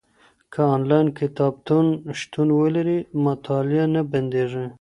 که انلاین کتابتون شتون ولري، مطالعه نه بندېږي.